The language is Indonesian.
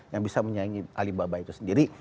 yang bisa menyaingi alibaba itu sendiri